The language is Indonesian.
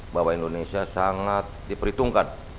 bahwa indonesia sangat diperhitungkan